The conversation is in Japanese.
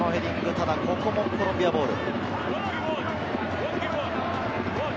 ただ、ここもコロンビアボール。